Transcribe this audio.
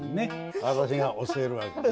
私が教えるわけですね。